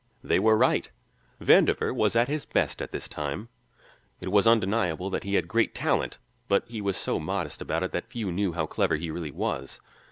They were right. Vandover was at his best at this time; it was undeniable that he had great talent, but he was so modest about it that few knew how clever he really was.